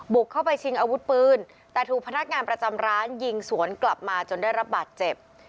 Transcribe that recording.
เข้าไปชิงอาวุธปืนแต่ถูกพนักงานประจำร้านยิงสวนกลับมาจนได้รับบาดเจ็บ